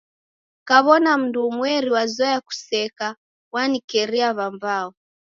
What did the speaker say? Kaw'ona mndu umweri wazoya kuseka wanekeria w'ambao.